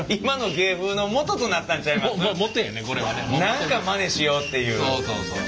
何かまねしようっていう。